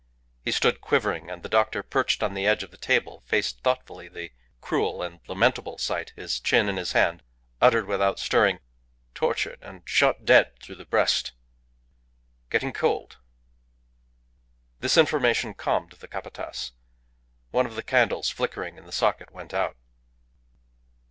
He stood quivering, and the doctor, perched on the edge of the table, facing thoughtfully the cruel and lamentable sight, his chin in his hand, uttered, without stirring "Tortured and shot dead through the breast getting cold." This information calmed the Capataz. One of the candles flickering in the socket went out.